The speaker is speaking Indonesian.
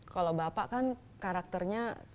kalau bapak kan karakternya